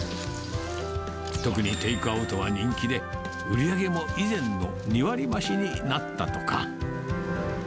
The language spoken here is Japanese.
特にテイクアウトは人気で、売り上げも以前の２割増しになったとか。